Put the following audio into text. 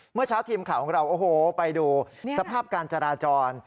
เมื่อเช้าทีมข่าวของเราโอ้โหไปดูสภาพการจราจร